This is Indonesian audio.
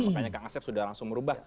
makanya kang asep sudah langsung merubah